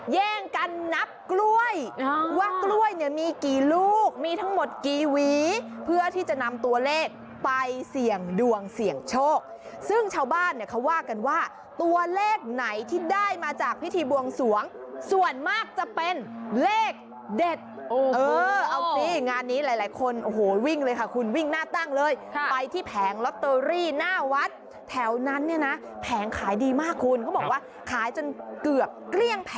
แย่งกันนับกล้วยว่ากล้วยเนี่ยมีกี่ลูกมีทั้งหมดกี่หวีเพื่อที่จะนำตัวเลขไปเสี่ยงดวงเสี่ยงโชคซึ่งชาวบ้านเนี่ยเขาว่ากันว่าตัวเลขไหนที่ได้มาจากพิธีบวงสวงส่วนมากจะเป็นเลขเด็ดเออเอาสิงานนี้หลายคนโอ้โหวิ่งเลยค่ะคุณวิ่งหน้าตั้งเลยไปที่แผงลอตเตอรี่หน้าวัดแถวนั้นเนี่ยนะแผงขายดีมากคุณเขาบอกว่าขายจนเกือบเกลี้ยแพ